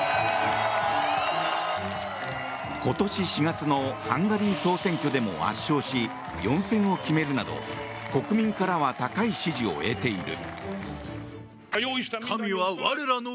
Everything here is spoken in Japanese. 今年４月のハンガリー総選挙でも圧勝し４選を決めるなど国民からは高い支持を得ている。